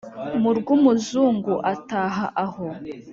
mu rw'umuzungu ataha aho!